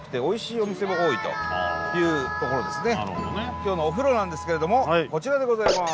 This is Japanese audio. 今日のお風呂なんですけれどもこちらでございます。